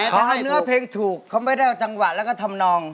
แต่ถ้าเนื้อเพลงถูกเขาไม่ได้เอาจังหวะแล้วก็ทำนอง